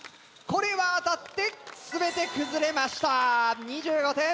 これは当たって全て崩れました２５点。